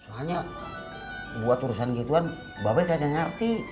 soalnya buat urusan gituan bapak gak ngerti